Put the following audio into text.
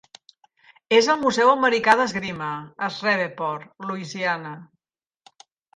És al Museu Americà d'Esgrima, a Shreveport, Louisiana.